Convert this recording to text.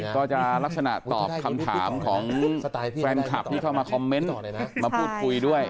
ก็จะลักษณะตอบคำถามของแฟนคลับที่เข้ามาคอมเมนต์มาพูดคุยด้วย